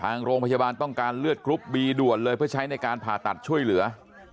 ทางโรงพยาบาลต้องการเลือดกรุ๊ปบีด่วนเลยเพื่อใช้ในการผ่าตัดช่วยเหลือ